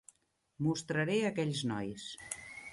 Mostraré aquells nois.